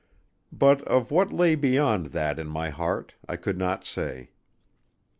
But of what lay beyond that in my heart I could not say.